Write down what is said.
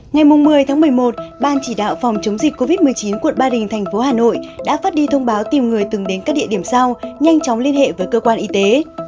ngày một mươi một mươi một ban chỉ đạo phòng chống dịch covid một mươi chín quận ba đình thành phố hà nội đã phát đi thông báo tìm người từng đến các địa điểm sau nhanh chóng liên hệ với cơ quan y tế